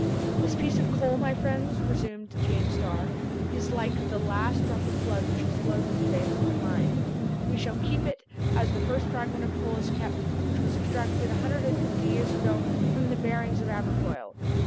"This piece of coal, my friends," resumed James Starr, "is like the last drop of blood which has flowed through the veins of the mine! We shall keep it, as the first fragment of coal is kept, which was extracted a hundred and fifty years ago from the bearings of Aberfoyle.